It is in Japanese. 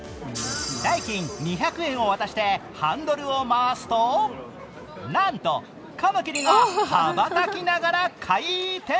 代金２００円を渡してハンドルを回すと、なんと、カマキリが羽ばたきながら回転。